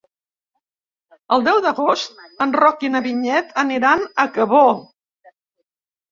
El deu d'agost en Roc i na Vinyet aniran a Cabó.